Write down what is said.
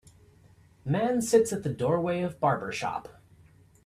Man sits at the doorway of barber shop.